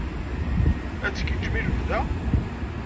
Ad tgiǧǧem i lebda?